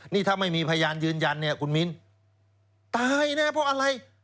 นี่ถ้าไม่มีพยานยืนยันเนี่ยคุณมิ้นตายนะเพราะอะไร